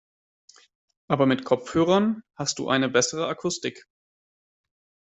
Aber mit Kopfhörern hast du eine bessere Akustik.